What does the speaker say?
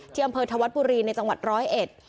อำเภอธวัดบุรีในจังหวัดร้อยเอ็ด